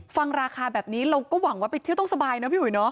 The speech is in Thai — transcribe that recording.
ราคาแบบนี้เราก็หวังว่าไปเที่ยวต้องสบายนะพี่อุ๋ยเนาะ